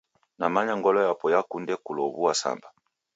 Namanya ngolo yapo yakunde kulowua Samba